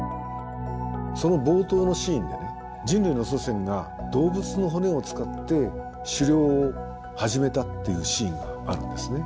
その冒頭のシーンで人類の祖先が動物の骨を使って狩猟を始めたっていうシーンがあるんですね。